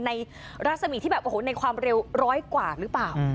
รัศมีที่แบบโอ้โหในความเร็วร้อยกว่าหรือเปล่า